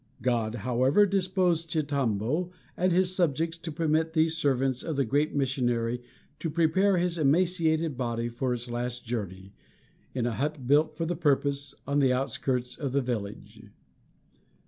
God, however, disposed Chitambo and his subjects to permit these servants of the great missionary to prepare his emaciated body for its last journey, in a hut built for the purpose, on the outskirts of the village.